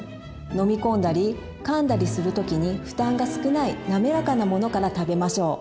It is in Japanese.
飲み込んだりかんだりするときに負担が少ないなめらかなものから食べましょう。